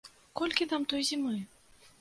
Колькі там той зімы?